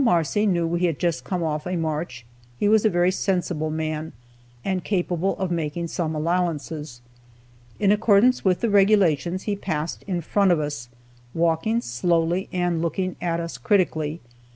Marcy knew we had just come off a march, he was a very sensible man, and capable of making some allowances. In accordance with the regulations, he passed in front of us, walking slowly and looking at us critically.